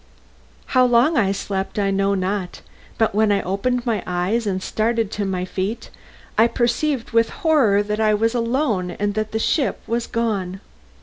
How long I slept I know not, but when I opened my eyes and started to my feet I perceived with horror that I was alone and that the ship was gone.